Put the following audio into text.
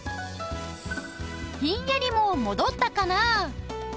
ひんやりも戻ったかな？